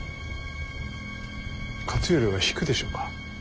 勝頼は引くでしょうか。